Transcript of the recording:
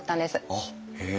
あっへえ。